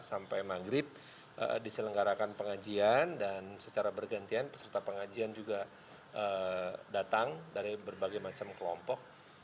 sampai maghrib diselenggarakan pengajian dan secara bergantian peserta pengajian juga datang dari berbagai macam kelompok